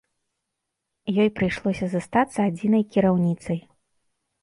Ёй прыйшлося застацца адзінай кіраўніцай.